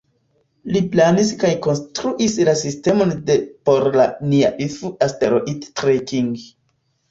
Li planis kaj konstruis la sistemon de por la "Near Earth Asteroid Tracking".